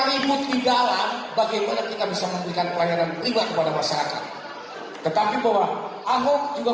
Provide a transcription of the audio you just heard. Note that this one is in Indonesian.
ribut di dalam bagaimana bisa memberikan pelayanan terima kepada masyarakat tetapi dibawa ahok juga